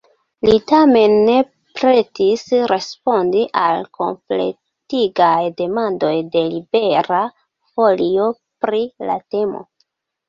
Li tamen ne pretis respondi al kompletigaj demandoj de Libera Folio pri la temo.